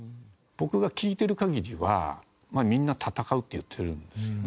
僕が聞いてる限りはみんな戦うって言ってるんですよね。